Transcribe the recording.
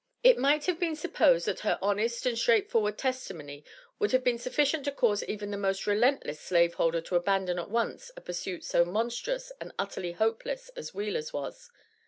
It might have been supposed that her honest and straightforward testimony would have been sufficient to cause even the most relentless slaveholder to abandon at once a pursuit so monstrous and utterly hopeless as Wheeler's was.